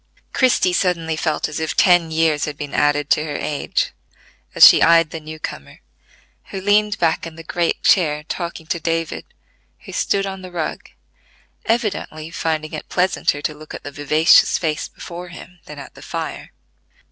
Christie suddenly felt as if ten years had been added to her age, as she eyed the new comer, who leaned back in the great chair talking to David, who stood on the rug, evidently finding it pleasanter to look at the vivacious face before him than at the fire.